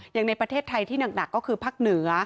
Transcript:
อย่างในประเทศไทยที่หนักก็คือภาคเหนือ